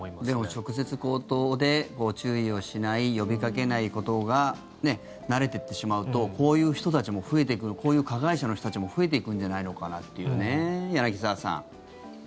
でも直接、口頭で注意をしない呼びかけないことが慣れていってしまうとこういう人たちも増えてくるこういう加害者の人たちも増えていくんじゃないのかなというね、柳澤さん。